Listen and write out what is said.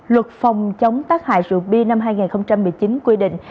luật phòng chống tác hại rượu bia năm hai nghìn một mươi chín quy định